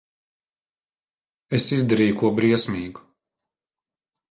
Es izdarīju ko briesmīgu.